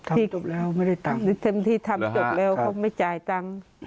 จบแล้วไม่ได้ตังค์หรือเต็มที่ทำจบแล้วเขาไม่จ่ายตังค์